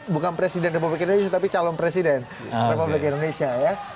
bukan presiden republik indonesia tapi calon presiden republik indonesia ya